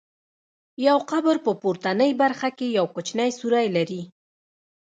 یو قبر په پورتنۍ برخه کې یو کوچنی سوری لري.